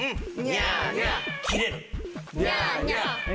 ニャーニャー。